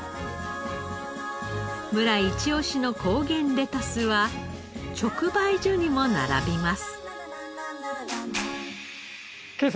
村イチオシの高原レタスは直売所にも並びます。